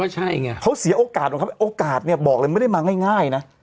ใช่ไงเขาเสียโอกาสของเขาโอกาสเนี่ยบอกเลยไม่ได้มาง่ายนะ